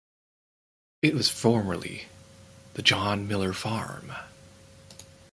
It was formerly the John Miller Farm.